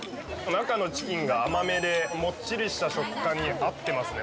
中のチキンが甘めでもっちりした食感に合ってますね。